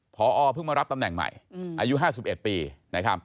พอเพิ่งมารับตำแหน่งใหม่อายุ๕๑ปีนะครับ